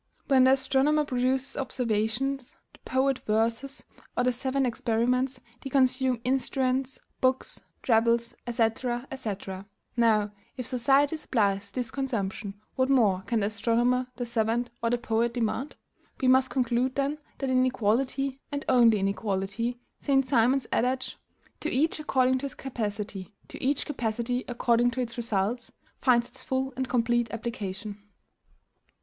When the astronomer produces observations, the poet verses, or the savant experiments, they consume instruments, books, travels, &c., &c. now, if society supplies this consumption, what more can the astronomer, the savant, or the poet demand? We must conclude, then, that in equality, and only in equality, St. Simon's adage TO EACH ACCORDING TO HIS CAPACITY TO EACH CAPACITY ACCORDING TO ITS RESULTS finds its full and complete application.